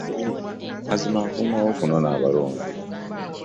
Mazima akomawo okunona abalonde.